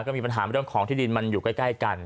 ก็มีปัญหาเรื่องของที่ดินมันอยู่ใกล้กัน